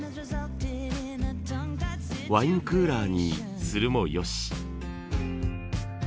ワインクーラーにするもよし。